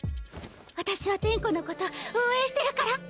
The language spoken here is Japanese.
私は転弧のこと応援してるから。